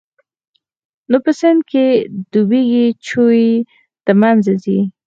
نو په سيند کښې ډوبېږي چوي د منځه ځي.